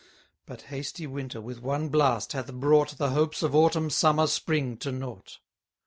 But hasty Winter, with one blast, hath brought The hopes of Autumn, Summer, Spring, to nought.